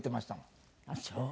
ああそう。